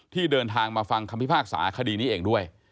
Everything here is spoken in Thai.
ที่เดินทางมาฟังคำพิพากษาคดีนี้เองด้วย